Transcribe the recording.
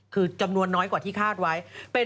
คือจำนวนน้อยกว่าที่คาดไว้